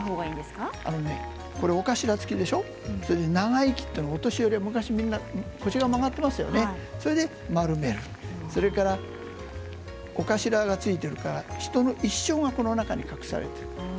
尾頭付きなので長生きというのはお年寄りはみんな昔は腰が曲がってますよね、それで丸めてお頭がついているから人の一生がこの中に隠されている。